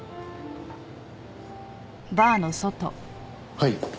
はい。